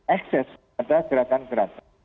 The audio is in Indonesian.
akses pada gerakan gerakan